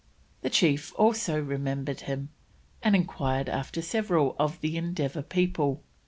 The chief also remembered him, and enquired after several of the Endeavour people.